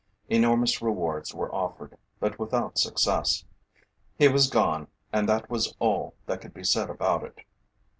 Enormous rewards were offered, but without success. He was gone, and that was all that could be said about it.